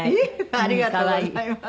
ありがとうございます。